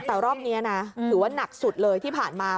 แต่รอบนี้นะถือว่านักสุดเลยที่ผ่านมา